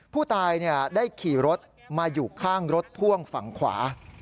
ผู้ตายได้ขี่รถมาอยู่ข้างรถพ่วงฝั่งขวา